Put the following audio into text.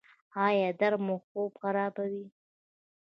ایا درد مو خوب خرابوي؟